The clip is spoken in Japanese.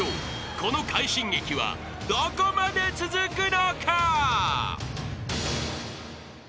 この快進撃はどこまで続くのか？］